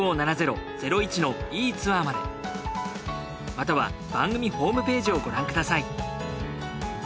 または番組ホームページをご覧ください。